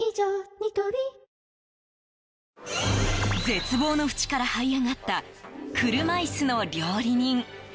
絶望の淵からはい上がった車椅子の料理人。